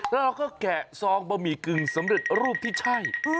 แล้วเราก็แกะซองบะหมี่กึ่งสำเร็จรูปที่ใช่